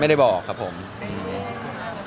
ไม่ได้บอกครับผมอืม